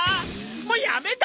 もうやめだ！